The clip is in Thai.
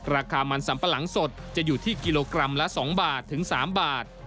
ราคามันสัมปะหลังสดจะอยู่ที่กิโลกรัมละ๒บาทถึง๓บาท